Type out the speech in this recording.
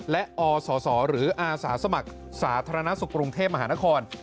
และอศหรืออาสาสมัครสาธารณสุขกรุงเทพมหานคร